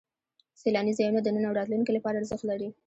سیلاني ځایونه د نن او راتلونکي لپاره ارزښت لري.